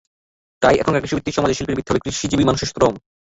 তাই এখানকার কৃষিভিত্তিক সমাজের শিল্পের ভিত্তি হতে হবে কৃষিজীবী মানুষের শ্রম।